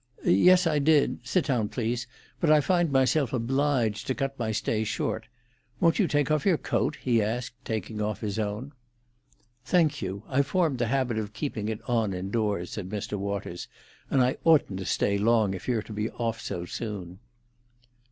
"Yes, I did—sit down, please—but I find myself obliged to cut my stay short. Won't you take off your coat?" he asked, taking off his own. "Thank you; I've formed the habit of keeping it on indoors," said Mr. Waters. "And I oughtn't to stay long, if you're to be off so soon."